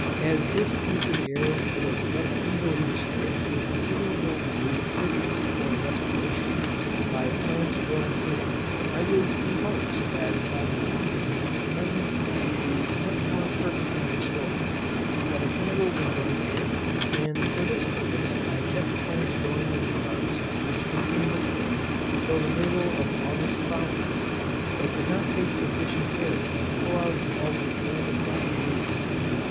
As this putrid air was thus easily restored to a considerable degree of fitness for respiration, by plants growing in it, I was in hopes that by the same means it might in time be so much more perfectly restored, that a candle would burn in it; and for this purpose I kept plants growing in the jars which contained this air till the middle of August following, but did not take sufficient care to pull out all the old and rotten leaves.